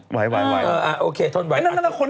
ทนไหวไหมโอเคทนไหว